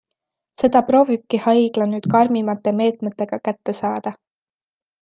Seda proovibki haigla nüüd karmimate meetmetega kätte saada.